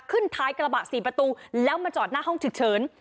ขึ้นท้ายกระบะ๔ประตูแล้วมาจอดหน้าห้องฉุกเฉิน